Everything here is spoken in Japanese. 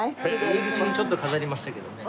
入り口にちょっと飾りましたけどね。